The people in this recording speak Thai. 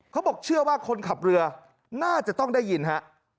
เขาบอกเชื่อว่าคนขับเรือน่าจะต้องได้ยินฮะ